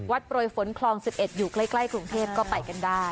โปรยฝนคลอง๑๑อยู่ใกล้กรุงเทพก็ไปกันได้